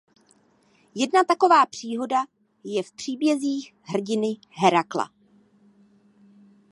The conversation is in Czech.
Jedna taková příhoda je v příbězích hrdiny Hérakla.